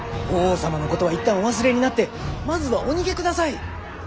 法皇様のことは一旦お忘れになってまずはお逃げください。